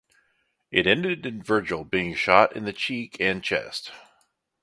It ended in Virgil being shot in the cheek and chest.